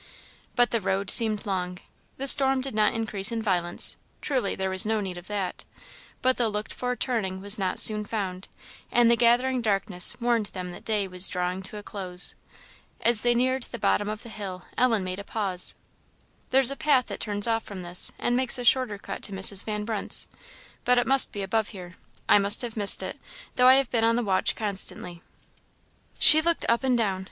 But the road seemed long. The storm did not increase in violence truly there was no need of that but the looked for turning was not soon found, and the gathering darkness warned them day was drawing towards a close. As they neared the bottom of the hill, Alice made a pause. "There's a path that turns off from this, and makes a shorter cut to Mrs. Van Brunt's, but it must be above here; I must have missed it, though I have been on the watch constantly." She looked up and down.